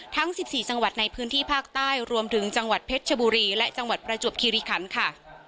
ทั้ง๑๔จังหวัดในพื้นที่ภาคใต้รวมถึงจังหวัดเพชรชบุรีและจังหวัดประจวบคิริคันค่ะ